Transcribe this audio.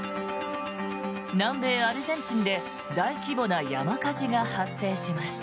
南米アルゼンチンで大規模な山火事が発生しました。